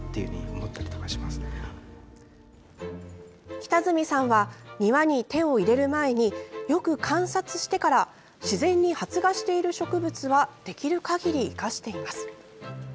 北住さんは庭に手を入れる前によく観察してから自然に発芽している植物はできる限り生かしています。